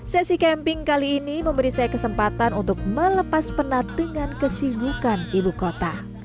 sesi camping kali ini memberi saya kesempatan untuk melepas penat dengan kesibukan ibu kota